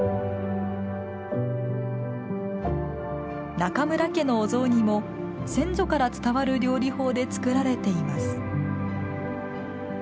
中村家のお雑煮も先祖から伝わる料理法で作られています。